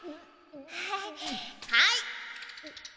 はい。